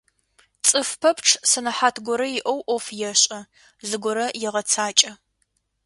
Цӏыфы пэпчъ сэнэхьат горэ иӏэу ӏоф ешӏэ, зыгорэ егъэцакӏэ.